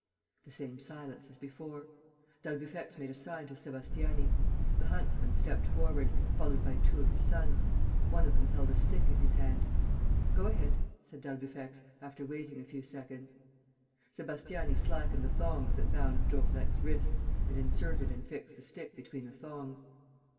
The same silence as before. D'Albufex made a sign to Sébastiani. The huntsman stepped forward, followed by two of his sons. One of them held a stick in his hand. "Go ahead," said d'Albufex, after waiting a few seconds. Sébastiani slackened the thongs that bound Daubrecq's wrists and inserted and fixed the stick between the thongs.